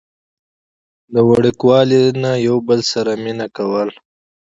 د وړوکوالي نه يو بل سره مينه کوله